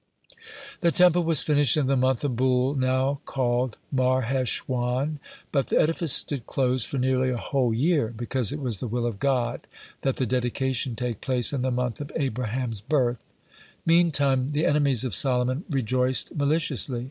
(62) The Temple was finished in the month of Bul, now called Marheshwan, but the edifice stood closed for nearly a whole year, because it was the will of God that the dedication take place in the month of Abraham's birth. Meantime the enemies of Solomon rejoiced maliciously.